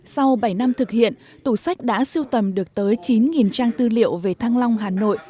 sau bảy năm thực hiện tủ sách đã siêu tầm được tới chín trang tư liệu về thăng long hà nội